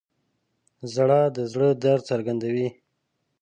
• ژړا د زړه درد څرګندوي.